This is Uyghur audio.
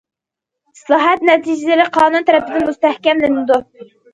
ئىسلاھات نەتىجىلىرى قانۇن تەرىپىدىن مۇستەھكەملىنىدۇ.